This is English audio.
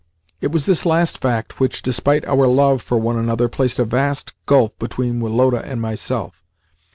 It was this last fact which, despite our love for one another, placed a vast gulf between Woloda and myself.